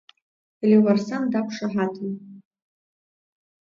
Леуарсан дақәшаҳаҭын.